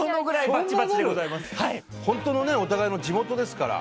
本当のねお互いの地元ですから。